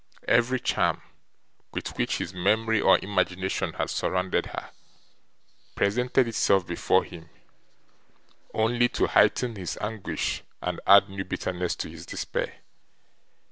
Every charm with which his memory or imagination had surrounded her, presented itself before him, only to heighten his anguish and add new bitterness to his despair.